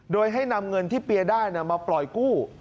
โดยให้นำเงินที่เปียร์ได้มาปล่อยกู้